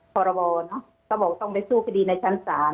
ก็บอกว่าต้องไปสู้คดีในชั้นศาล